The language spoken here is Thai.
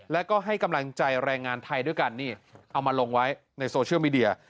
แล้วก็ให้กำลังใจแรงงานไทยด้วยกันนี่เอามาลงไว้ในโซเชียลมีเดีย